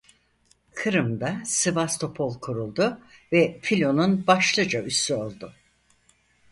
Kırım'da Sivastopol kuruldu ve filonun başlıca üssü oldu.